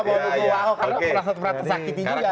karena perasaan perasaan sakit juga